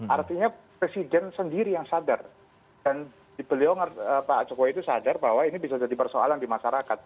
artinya presiden sendiri yang sadar dan beliau pak jokowi itu sadar bahwa ini bisa jadi persoalan di masyarakat